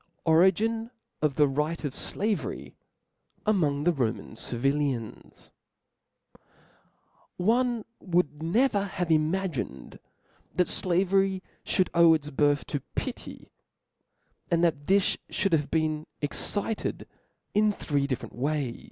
Origin of the Right ^of Slavery' among the Ro man Civilians'^ ^ /^NE would never have imagined that flaveiy ^^ fliould owc'its birth, to pityi and that th^ (^Jufti fhQu]d have been excited three dlfFererit ways [\